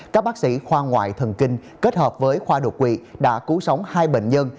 các bác sĩ khoa ngoại thần kinh kết hợp với khoa đột quỵ đã cứu sống hai bệnh nhân